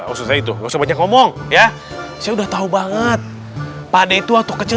ustaz saya itu gak usah banyak ngomong ya saya udah tahu banget pade itu waktu kecil